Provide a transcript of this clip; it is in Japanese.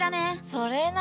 それな。